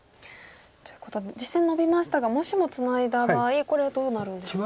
ということで実戦ノビましたがもしもツナいだ場合これはどうなるんでしょうか。